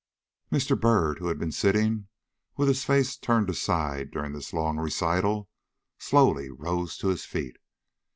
Mr. Byrd, who had been sitting with his face turned aside during this long recital, slowly rose to his feet.